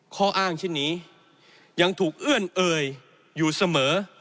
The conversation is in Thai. ข้ออ้างเช่นนี้ยังถูกเอื้อนเอ่ยอยู่เสมอ